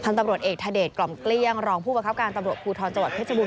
ตำรวจเอกทเดชกล่อมเกลี้ยงรองผู้ประคับการตำรวจภูทรจังหวัดเพชรบูร